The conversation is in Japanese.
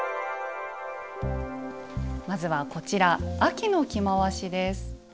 まずはこちら秋の着回しです。